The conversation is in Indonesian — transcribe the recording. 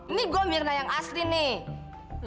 ini gue mirna yang asli nih